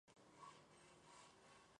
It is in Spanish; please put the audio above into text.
La base era de piedra.